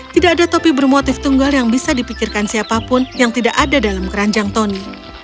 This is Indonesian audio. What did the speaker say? tidak ada topi bermotif tunggal yang bisa dipikirkan siapapun yang tidak ada dalam keranjang tony